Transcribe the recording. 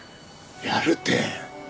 やるって。